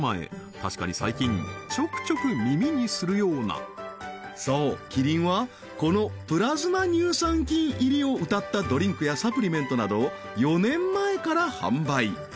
確かに最近ちょくちょく耳にするようなそうキリンはこのプラズマ乳酸菌入りをうたったドリンクやサプリメントなどを４年前から販売